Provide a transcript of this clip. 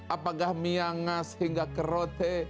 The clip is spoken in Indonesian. apakah miangas hingga kerote